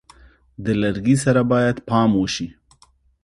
د لرګي سره باید پام وشي.